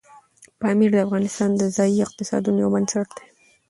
پامیر د افغانستان د ځایي اقتصادونو یو بنسټ دی.